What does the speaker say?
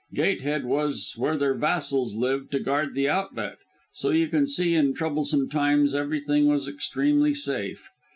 Gatehead was where their vassals lived to guard the outlet, so you can see in troublesome times everything was extremely safe.